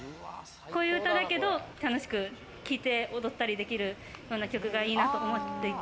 恋うただけど、楽しく聴いて踊ったりできるような曲がいいなと思ってて。